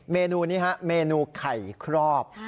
เมนูนี้ฮะเมนูไข่ครอบ